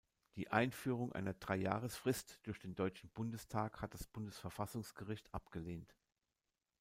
Die Einführung einer Drei-Jahres-Frist durch den Deutschen Bundestag hat das Bundesverfassungsgericht abgelehnt.